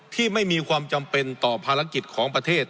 ที่ไม่มีความจำเป็นต่อภารกิจของประเทศ